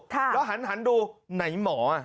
แล้วหันดูไหนหมอ